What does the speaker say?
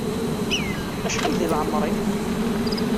Acḥal di leɛmeṛ-im?